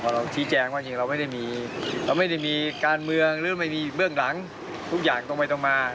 เราชี้แจงว่าจริงเราไม่ได้มีการเมืองหรือไม่มีเบื้องหลังทุกอย่างตรงไปตรงมา